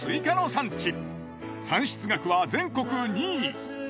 産出額は全国２位。